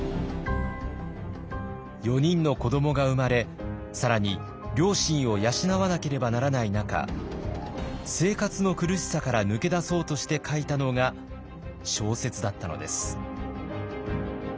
４人の子どもが生まれ更に両親を養わなければならない中生活の苦しさから抜け出そうとして書いたのが小説だったのです。